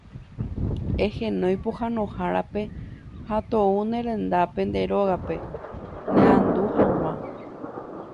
Ehenói pohãnohárape ha tou nde rendápe, nde rógape, neandu hag̃ua.